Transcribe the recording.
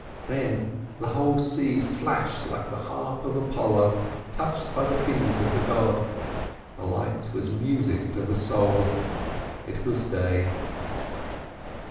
Then the whole sea flashed like the harp of Apollo touched by the fingers of the god. The light was music to the soul. It was day.